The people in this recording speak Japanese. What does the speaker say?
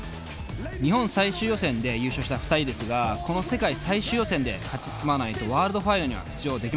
日本最終予選で優勝した２人ですがこの世界最終予選で勝ち進まないとワールドファイナルには出場できません。